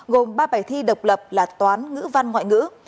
gồm ba bài thi độc lập là toán ngữ văn ngoại ngữ